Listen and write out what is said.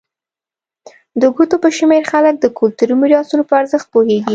د ګوتو په شمېر خلک د کلتوري میراثونو په ارزښت پوهېږي.